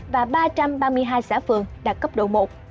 và ba trăm ba mươi hai xã phường đạt cấp độ một